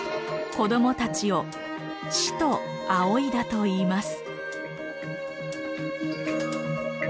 子どもたちを師と仰いだといいます。